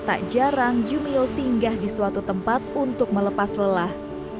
tak jarang jumio singgah di suatu tempat untuk melepas lelah